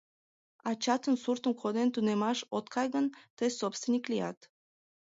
Ачатын суртым коден тунемаш от кай гын, тый собственник лият.